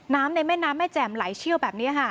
ในแม่น้ำแม่แจ่มไหลเชี่ยวแบบนี้ค่ะ